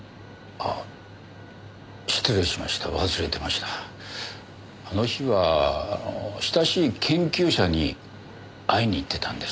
あの日は親しい研究者に会いに行ってたんです。